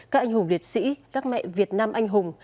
các anh hùng liệt sĩ các mẹ việt nam anh hùng